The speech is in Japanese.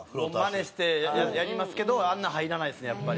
マネしてやりますけどあんな入らないですねやっぱり。